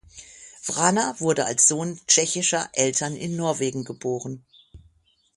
Vrana wurde als Sohn tschechischer Eltern in Norwegen geboren.